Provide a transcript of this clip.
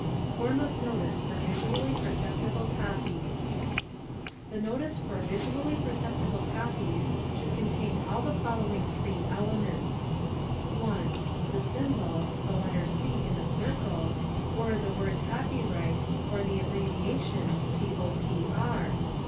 Form of Notice for Visually Perceptible Copies The notice for visually perceptible copies should contain all the following three elements: 1. The symbol (the letter C in a circle), or the word "Copyright," or the abbreviation "Copr."